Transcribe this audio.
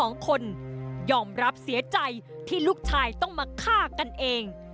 สองคนยอมรับเสียใจที่ลูกชายต้องมาฆ่ากันเอง